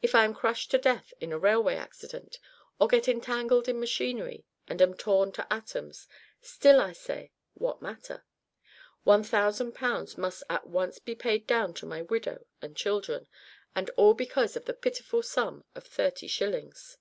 If I am crushed to death in a railway accident, or get entangled in machinery and am torn to atoms still I say, what matter? 1000 pounds must at once be paid down to my widow and children, and all because of the pitiful sum of 30 shillings.